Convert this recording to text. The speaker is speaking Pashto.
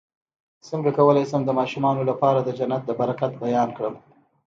څنګه کولی شم د ماشومانو لپاره د جنت د برکت بیان کړم